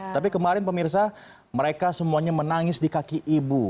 tapi kemarin pemirsa mereka semuanya menangis di kaki ibu